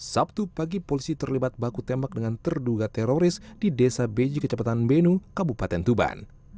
sabtu pagi polisi terlibat baku tembak dengan terduga teroris di desa beji kecepatan benu kabupaten tuban